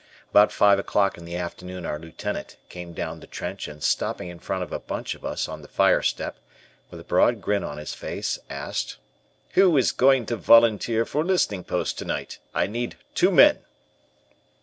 About five o'clock in the afternoon our Lieutenant came down the trench and stopping in front of a bunch of us on the fire step, with a broad grin on his face, asked: "Who is going to volunteer for listening post to night? I need two men."